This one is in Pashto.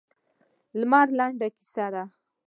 لمر لنډه کیسه ده.